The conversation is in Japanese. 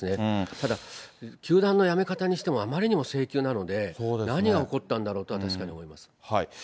ただ、球団の辞め方にしても、あまりにも性急なので、何が起こったんだろうとは確かに思います。